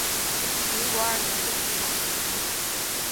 民国二年废除广平府。